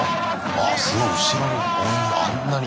あっすごい後ろに応援があんなに。